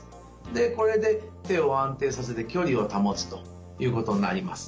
でこれで手を安定させて距離を保つということになります。